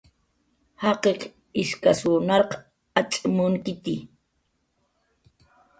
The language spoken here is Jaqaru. Jaqiq ishkasw narq acx' munkitxi